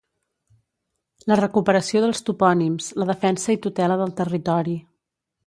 la recuperació dels topònims, la defensa i tutela del territori